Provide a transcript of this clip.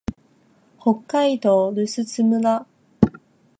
北海道留寿都村